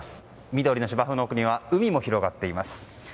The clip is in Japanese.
緑の芝生の奥には海も広がっています。